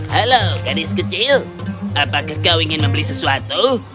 halo gadis kecil apakah kau ingin membeli sesuatu